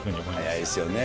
早いですよね。